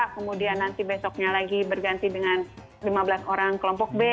kemudian nanti besoknya lagi berganti dengan lima belas orang kelompok b